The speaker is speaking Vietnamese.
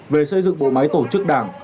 về xây dựng bộ máy tổ chức đảng